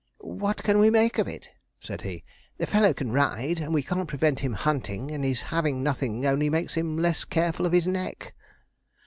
'What can we make of it?' said he. 'The fellow can ride, and we can't prevent him hunting; and his having nothing only makes him less careful of his neck.'